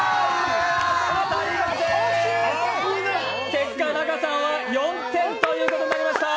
結果、仲さんは４点ということになりました。